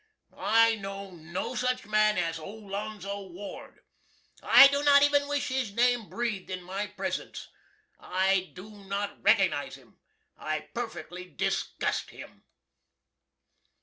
I know no such man as Olonzo Ward. I do not even wish his name breathed in my presents. I do not recognize him. I perfectly disgust him.